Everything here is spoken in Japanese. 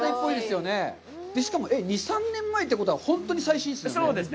しかも、２３年前ということは、本当に最新ですね。